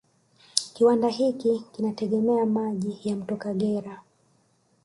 Kiwanda hiki kinategemea maji ya mto Kagera